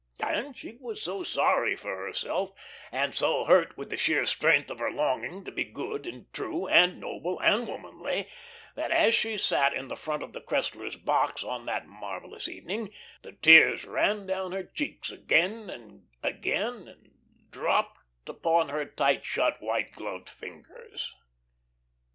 And she was so sorry for herself, and so hurt with the sheer strength of her longing to be good and true, and noble and womanly, that as she sat in the front of the Cresslers' box on that marvellous evening, the tears ran down her cheeks again and again, and dropped upon her tight shut, white gloved fingers.